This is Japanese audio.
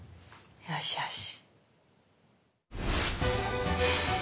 よしよし。